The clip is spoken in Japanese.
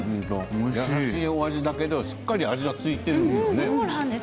優しいお味だけどしっかり味が付いているんですね。